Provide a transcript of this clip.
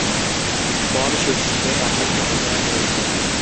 Bob শেষ সিজনে অসাধারণ অভিনয় করেছে।